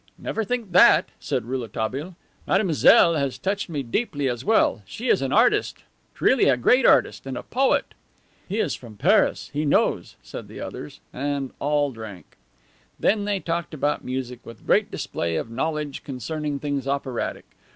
"Never think that," said Rouletabille. "Mademoiselle has touched me deeply as well. She is an artist, really a great artist. And a poet." "He is from Paris; he knows," said the others. And all drank. Then they talked about music, with great display of knowledge concerning things operatic.